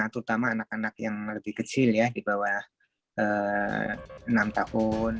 terutama anak anak yang lebih kecil di bawah